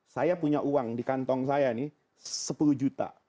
saya punya uang di kantong saya ini sepuluh juta